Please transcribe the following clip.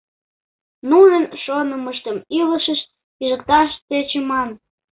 Нунын шонымыштым илышыш пижыкташ тӧчыман.